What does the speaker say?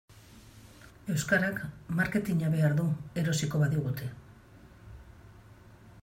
Euskarak marketina behar du erosiko badigute.